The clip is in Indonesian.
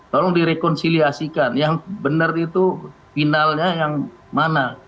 tolong direkonsiliasikan yang benar itu finalnya yang mana